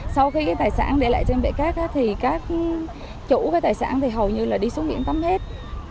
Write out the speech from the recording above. sau khi tài sản để lại trên bãi cát thì các chủ tài sản hầu như đi xuống biển tắm hết